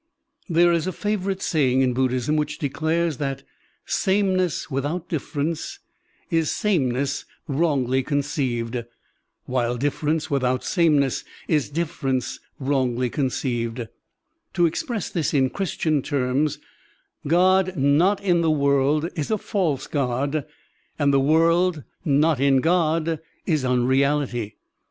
There is a favorite saying in Buddhism which declares that "sameness without difference is sameness wrongly conceived, while difference without sameness is difference wrongly con ceived"; to express this in Christian terms, "God not in the world is a false God, and the world not in God is unreality.